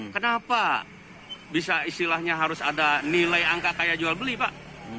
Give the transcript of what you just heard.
kenapa bisa istilahnya harus ada nilai angka kayak jual beli pak